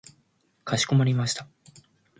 かしこまりました。